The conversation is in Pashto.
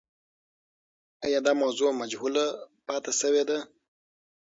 آیا دا موضوع مجهوله پاتې سوې ده؟